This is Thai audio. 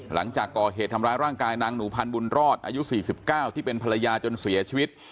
หลังจากก่อเหตุทำร้ายร่างกายนางหนูพันธบุญรอดอายุ๔๙ที่เป็นภรรยาจนเสียชีวิต